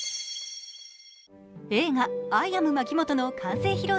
映画「アイ・アムまきもと」の完成披露